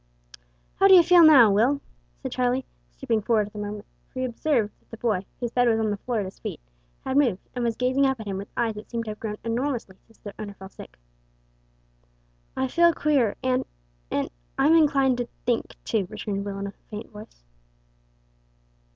"How d'ee feel now, Will?" said Charlie, stooping forward at the moment, for he observed that the boy whose bed was on the floor at his feet had moved, and was gazing up at him with eyes that seemed to have grown enormously since their owner fell sick. "I feel queer and and I'm inclined to think, too," returned Will in a faint voice.